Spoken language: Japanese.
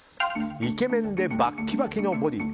イケメンでバッキバキのボディー。